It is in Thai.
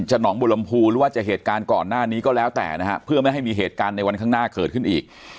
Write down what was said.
หนองบุรมภูหรือว่าจะเหตุการณ์ก่อนหน้านี้ก็แล้วแต่นะฮะเพื่อไม่ให้มีเหตุการณ์ในวันข้างหน้าเกิดขึ้นอีก